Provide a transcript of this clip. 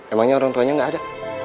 emangnya orang tuanya nggak ada